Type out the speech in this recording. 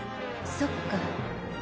そっか。